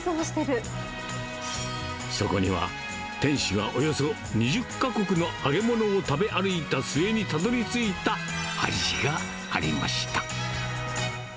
そこには、店主がおよそ２０か国の揚げ物を食べ歩いた末にたどりついた味がありました。